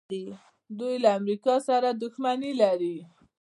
دوی له امریکا سره دښمني لري.